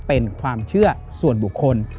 เป็นความเชื่อส่วนบุคคล